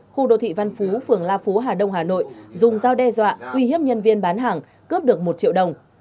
khu đô thị văn phú phường la phú hà đông hà nội dùng dao đe dọa uy hiếp nhân viên bán hàng cướp được một triệu đồng